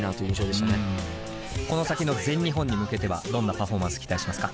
この先の全日本に向けてはどんなパフォーマンス期待しますか？